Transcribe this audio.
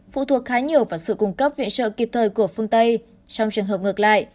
phụ thuộc vào sự cung cấp viện trợ kịp thời của phương tây trong trường hợp ngược lại